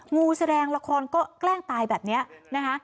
งูแสดงละครก็แกล้งตายแบบนี้นะคะ